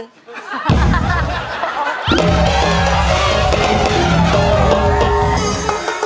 จ๊ะ